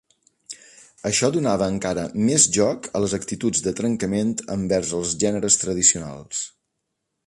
Això donava encara més joc a les actituds de trencament envers els gèneres tradicionals.